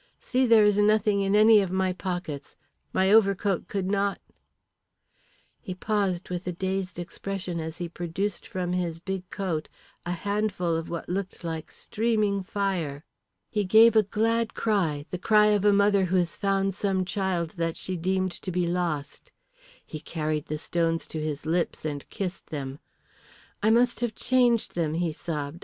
See, there is nothing in any of my pockets. My overcoat could not " He paused with a dazed expression as he produced from his big coat a handful of what looked like streaming fire. He gave a glad cry, the cry of a mother who has found some child that she deemed to be lost. He carried the stones to his lips and kissed them. "I must have changed them," he sobbed.